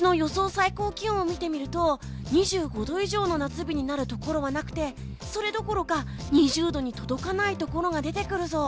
最高気温を見てみると２５度以上の夏日になるところはなくて２０度に届かないところが出てくるぞ。